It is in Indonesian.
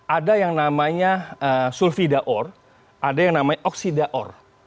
ada yang namanya sulfida ore ada yang namanya oksida ore